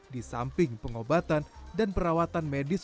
di samping pengobatan dan perawatan medis